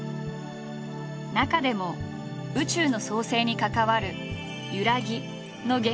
中でも宇宙の創生に関わる「ゆらぎ」の現象を解明。